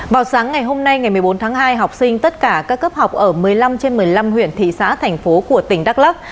vào sáng ngày hôm nay ngày một mươi bốn tháng hai học sinh tất cả các cấp học ở một mươi năm trên một mươi năm huyện thị xã thành phố của tỉnh đắk lắc